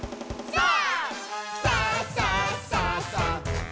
さあ！